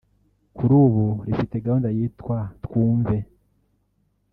Kuri ubu rifite gahunda yitwa “Twumve